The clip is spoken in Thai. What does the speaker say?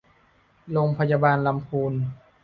โรงพยาบาลลำพูน